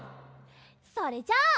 それじゃあ。